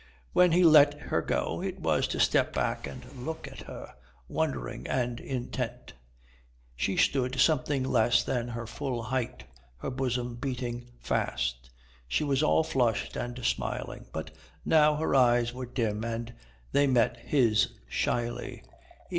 When he let her go, it was to step back and look at her, wondering and intent. She stood something less than her full height, her bosom beating fast. She was all flushed and smiling, but now her eyes were dim and they met his shyly.